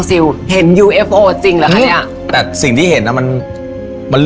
สวัสดีครับ